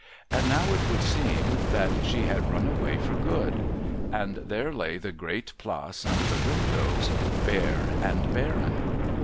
And now it would seem that she had run away for good. And there lay the Great Place under the windows, bare and barren.